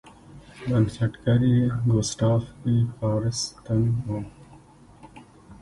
بنسټګر یې ګوسټاف ای کارستن و.